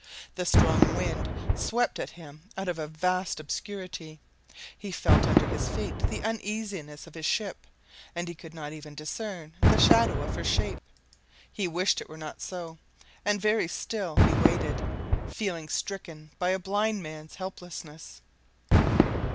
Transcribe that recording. The strong wind swept at him out of a vast obscurity; he felt under his feet the uneasiness of his ship, and he could not even discern the shadow of her shape. He wished it were not so; and very still he waited, feeling stricken by a blind man's helplessness.